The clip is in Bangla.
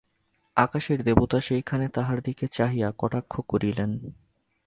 আকাশের দেবতা সেইখানে তাহার দিকে চাহিয়া কটাক্ষ করিলেন।